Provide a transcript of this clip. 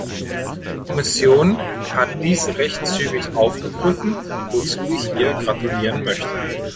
Die Kommission hat dies recht zügig aufgegriffen, wozu ich ihr gratulieren möchte.